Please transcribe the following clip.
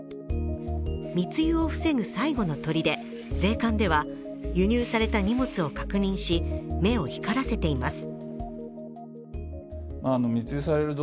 密輸を防ぐ最後のとりで、税関では輸入された荷物を確認し目を光らせています。